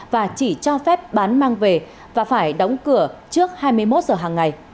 và chỉ cho phép bán mang về và phải đóng cửa trước hai mươi một giờ hàng ngày